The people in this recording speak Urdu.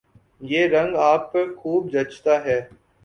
یہ رنگ آپ پر خوب جچتا ہے